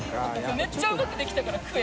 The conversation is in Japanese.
めっちゃうまくできたから食え！」